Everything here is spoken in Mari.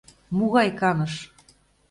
Мугай каныш?